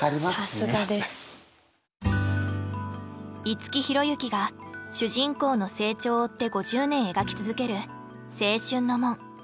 五木寛之が主人公の成長を追って５０年描き続ける「青春の門」。